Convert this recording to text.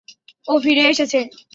ও ফিরে এসেছে!